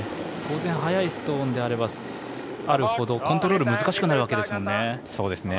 当然、速いストーンであればあるほどコントロール難しくなるわけですもんね。